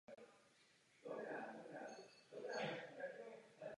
Po průletu kolem Pluta se sonda pohybovala oblastí Kuiperova pásu.